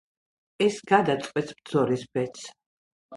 ეს გადაწყვეტს ბრძოლის ბედს.